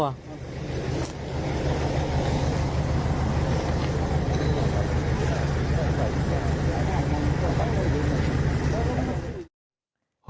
รอบบน่าอยู่